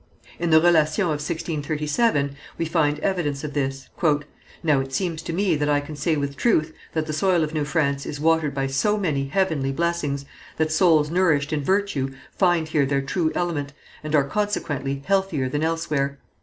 In the Relation of 1637 we find evidence of this: "Now it seems to me that I can say with truth that the soil of New France is watered by so many heavenly blessings, that souls nourished in virtue find here their true element, and are, consequently, healthier than elsewhere.